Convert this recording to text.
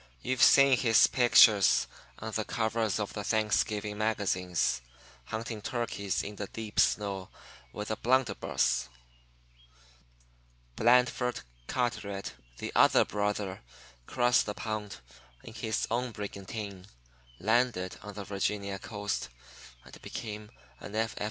You've seen his picture on the covers of the Thanksgiving magazines, hunting turkeys in the deep snow with a blunderbuss. Blandford Carteret, the other brother, crossed the pond in his own brigantine, landed on the Virginia coast, and became an F.